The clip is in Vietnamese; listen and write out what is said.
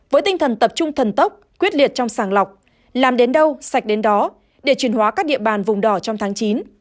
với tinh thần tập trung thần tốc quyết liệt trong sàng lọc làm đến đâu sạch đến đó để chuyển hóa các địa bàn vùng đỏ trong tháng chín